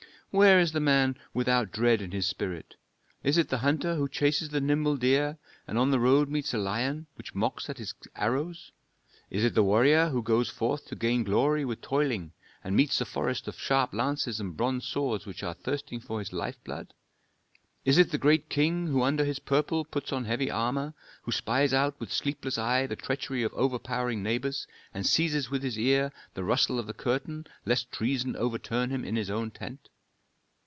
"Where is the man without dread in his spirit? Is it the hunter who chases the nimble deer and on the road meets a lion which mocks at his arrows? Is it the warrior who goes forth to gain glory with toiling, and meets a forest of sharp lances and bronze swords which are thirsting for his life blood? Is it the great king who under his purple puts on heavy armor, who spies out with sleepless eye the treachery of overpowering neighbors, and seizes with his ear the rustle of the curtain lest treason overturn him in his own tent?